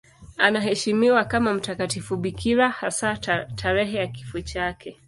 Anaheshimiwa kama mtakatifu bikira, hasa tarehe ya kifo chake.